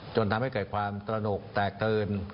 จนทำให้แก่ความตระหนกแตกเกิน